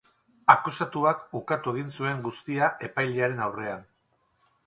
Akusatuak ukatu egin zuen guztia epailearen aurrean.